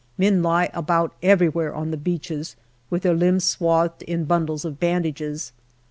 Men lie about everywhere on the beaches, with their limbs swathed in bundles of bandages.